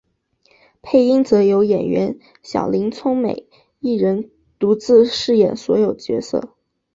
配音则由演员小林聪美一人独自饰演所有角色。